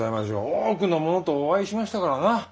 多くの者とお会いしましたからな。